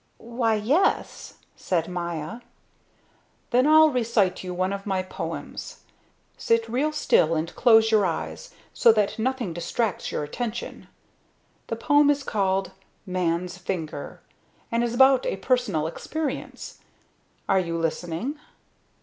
"Why, yes," said Maya. "Then I'll recite you one of my poems. Sit real still and close your eyes, so that nothing distracts your attention. The poem is called Man's Finger, and is about a personal experience. Are you listening?"